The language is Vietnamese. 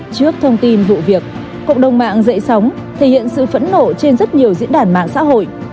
trước thông tin vụ việc cộng đồng mạng dậy sóng thể hiện sự phẫn nộ trên rất nhiều diễn đàn mạng xã hội